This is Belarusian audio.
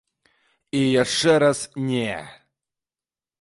І яшчэ раз не.